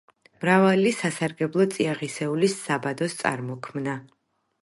მრავალი სასარგებლო წიაღისეულის საბადოს წარმოქმნა.